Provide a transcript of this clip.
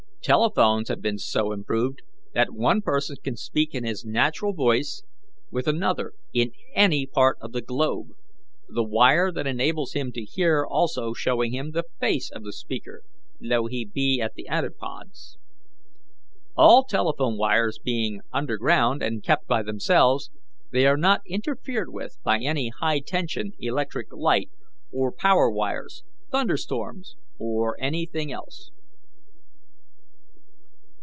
"Telephones have been so improved that one person can speak in his natural voice with another in any part of the globe, the wire that enables him to hear also showing him the face of the speaker though he be at the antipodes. All telephone wires being underground and kept by themselves, they are not interfered with by any high tension electric light or power wires, thunderstorms, or anything else.